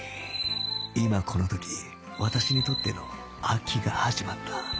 今この時私にとっての秋が始まった